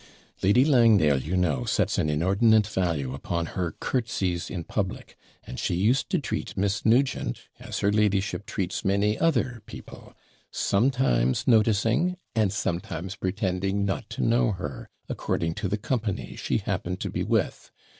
'Lady Langdale, you know, sets an inordinate value upon her curtsies in public, and she used to treat Miss Nugent, as her ladyship treats many other people, sometimes noticing, and sometimes pretending not to know her, according to the company she happened to be with.